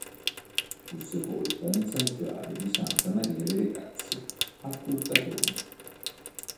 Fu sepolta nel santuario di Santa Maria delle Grazie a Curtatone.